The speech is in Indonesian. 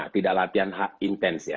tidak latihan h intense ya